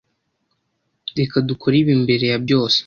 Reka dukore ibi mbere ya byose.